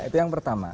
itu yang pertama